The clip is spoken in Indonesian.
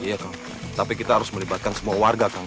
iya kang tapi kita harus melibatkan semua warga kang